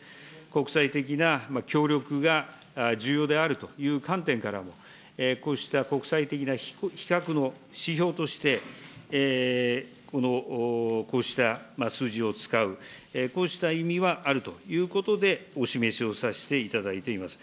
国際的な協力が重要であるという観点からも、こうした国際的な比較の指標として、こうした数字を使う、こうした意味はあるということで、お示しをさせていただいています。